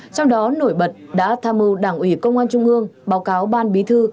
trong đó nổi bật đã tham mưu đảng ủy công an trung ương báo cáo ban bí thư